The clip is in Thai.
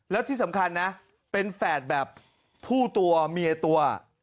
แล้วที่สำคัญนะเป็นแฝดแบบผู้ตัวเมียตัว